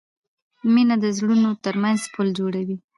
مینه د زړونو ترمنځ پُل جوړوي.